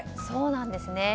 そうなんですね。